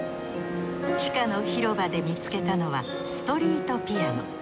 地下の広場で見つけたのはストリートピアノ。